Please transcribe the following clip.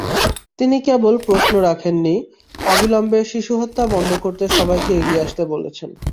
তিনি কেবল প্রশ্ন রাখেননি, অবিলম্বে শিশুহত্যা বন্ধ করতে সবাইকে এগিয়ে আসতে বলেছেন।